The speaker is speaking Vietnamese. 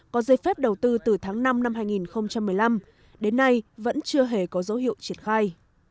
có dây phép đầu tư từ tháng năm năm hai nghìn một mươi năm đến nay vẫn chưa hề có dấu hiệu triển khai